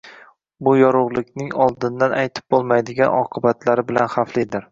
bu yorug‘likning oldindan aytib bo‘lmaydigan oqibatlari bilan xavflidir.